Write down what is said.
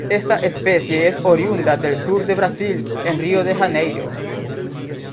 Esta especie es oriunda del Sur de Brasil en Río de Janeiro.